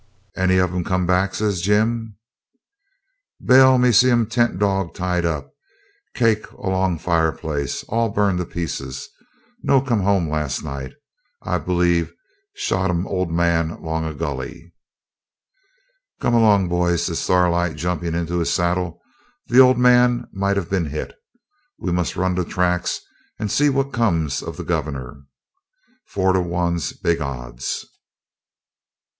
'Any of 'em come back?' says Jim. 'Bale! me see um tent dog tied up. Cake alonga fireplace, all burn to pieces. No come home last night. I b'lieve shot 'em old man longa gully.' 'Come along, boys,' says Starlight, jumping into his saddle. 'The old man might have been hit. We must run the tracks and see what's come of the governor. Four to one's big odds.'